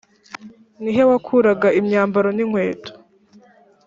ni he wakuraga imyambaro n inkweto